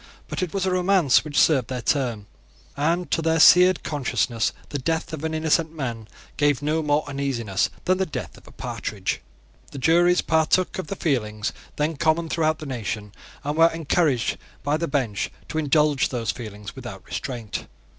But it was a romance which served their turn; and to their seared consciences the death of an innocent man gave no more uneasiness than the death of a partridge. The juries partook of the feelings then common throughout the nation, and were encouraged by the bench to indulge those feelings without restraint.